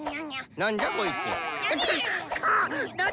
何じゃこいつ！